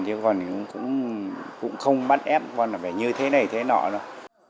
chứ còn thì cũng không bắt ép con là phải như thế này thế nọ đâu